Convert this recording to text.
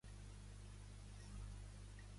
Són comuns a Belize.